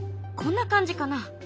こんな感じかな？